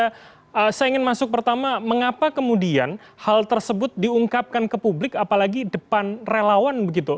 saya ingin masuk pertama mengapa kemudian hal tersebut diungkapkan ke publik apalagi depan relawan begitu